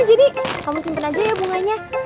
jadi kamu simpen aja ya bunganya